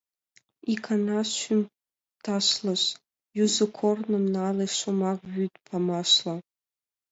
Икана шӱм ташлыш: Юзо корным нале Шомак вӱд памашла.